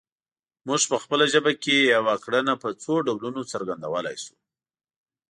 موږ په خپله ژبه کې یوه کړنه په څو ډولونو څرګندولی شو